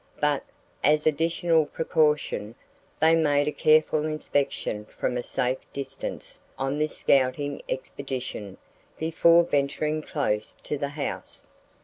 But as additional precaution, they made a careful inspection from a safe distance on this scouting expedition before venturing close to the house.